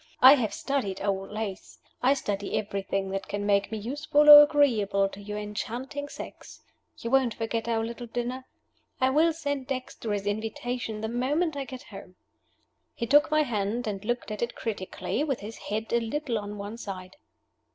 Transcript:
I have studied old lace. I study everything that can make me useful or agreeable to your enchanting sex. You won't forget our little dinner? I will send Dexter his invitation the moment I get home." He took my hand and looked at it critically, with his head a little on one side.